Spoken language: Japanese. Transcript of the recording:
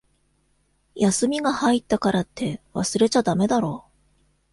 休みが入ったからって、忘れちゃだめだろ。